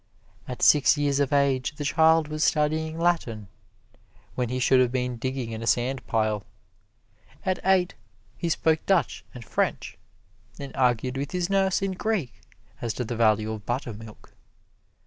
At six years of age the child was studying Latin, when he should have been digging in a sand pile. At eight he spoke Dutch and French, and argued with his nurse in Greek as to the value of buttermilk.